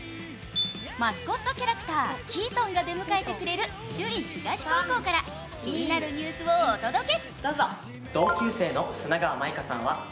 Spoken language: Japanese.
マスコットキャラクター、キートンが出迎えてくれる首里東高校から気になるニュースをお届け。